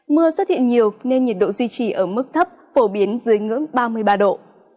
mưa xuất hiện nhiều nên nhiệt độ duy trì ở mức thấp phổ biến dưới ngưỡng ba mươi ba độ